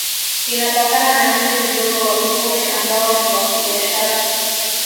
Inapakana na mji Mdogo wa Mikumi ambao ni wa kibiashara